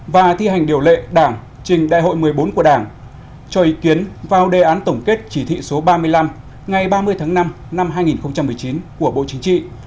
và thi hành điều lệ đảng trình đại hội một mươi bốn của đảng cho ý kiến vào đề án tổng kết chỉ thị số ba mươi năm ngày ba mươi tháng năm năm hai nghìn một mươi chín của bộ chính trị